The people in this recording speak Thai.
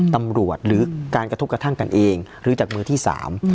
หรือการกระทบกระทั่งกันเองหรือจากมือที่สาม